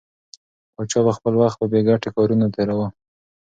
پاچا به خپل وخت په بې ګټې کارونو تېراوه.